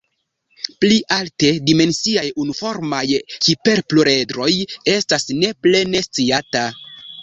Pli alte dimensiaj unuformaj hiperpluredroj estas ne plene sciata.